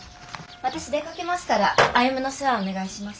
私出かけますから歩の世話お願いします。